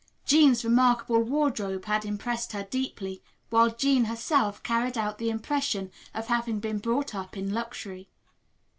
Jean's remarkable wardrobe had impressed her deeply, while Jean herself carried out the impression of having been brought up in luxury.